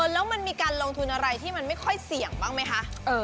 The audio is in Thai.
แล้วมันมีการลงทุนอะไรที่มันไม่ค่อยเสี่ยงบ้างไหมคะ